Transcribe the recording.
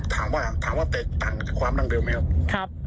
ถามว่าแตกต่างกับความร่างเดิมไหมครับ